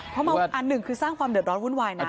เพราะอันหนึ่งคือสร้างความเดือดร้อนวุ่นวายนะ